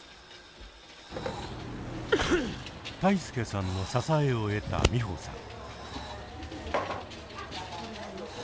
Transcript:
泰亮さんの支えを得た美穂さん。